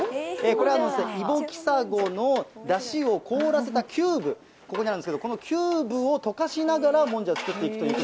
これはイボキサゴのだしを凍らせたキューブ、ここにあるんですけれども、このキューブをとかしながらもんじゃを作っていくという。